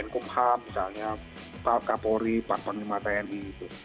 kumh misalnya pak kapolri pak penghemat tni